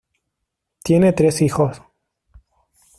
Tiene tres hijos.